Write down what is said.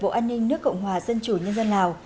bộ an ninh nước cộng hòa dân chủ nhân dân lào